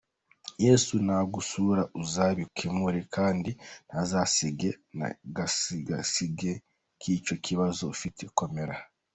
Yesu nagusura azabikemura kandi ntazasiga n’agasigisigi k’icyo kibazo ufite, komera.